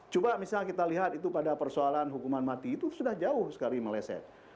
coba misalnya kita lihat itu pada persoalan hukuman mati itu sudah jauh sekali meleset